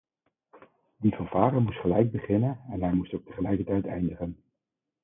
Die fanfare moest gelijk beginnen en hij moest ook tegelijkertijd eindigen.